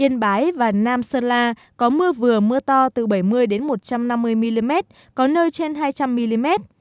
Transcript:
hải và nam sơn la có mưa vừa mưa to từ bảy mươi đến một trăm năm mươi mm có nơi trên hai trăm linh mm